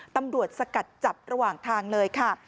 ตำรวจสกัดจับระหว่างทางเลยค่ะ